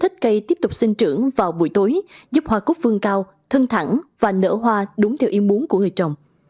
cây trưởng vào buổi tối giúp hoa cút vương cao thân thẳng và nở hoa đúng theo yêu muốn của người trồng